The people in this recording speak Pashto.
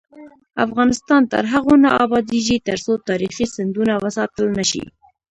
افغانستان تر هغو نه ابادیږي، ترڅو تاریخي سندونه وساتل نشي.